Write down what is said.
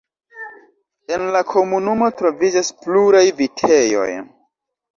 En la komunumo troviĝas pluraj vitejoj.